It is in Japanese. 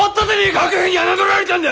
幕府に侮られたんだ！